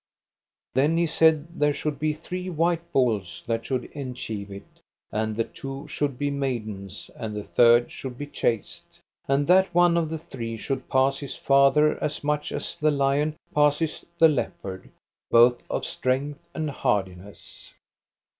Then he said there should be three white bulls that should enchieve it, and the two should be maidens, and the third should be chaste. And that one of the three should pass his father as much as the lion passeth the leopard, both of strength and hardiness.